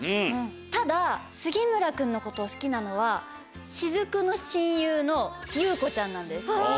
ただ杉村君のことを好きなのは雫の親友の夕子ちゃんなんです。